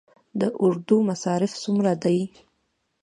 د اردو مصارف څومره دي؟